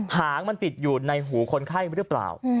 หางมันติดอยู่ในหูคนไข้หรือเปล่า